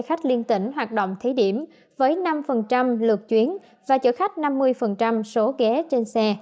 khách liên tỉnh hoạt động thí điểm với năm lượt chuyến và chở khách năm mươi số ghế trên xe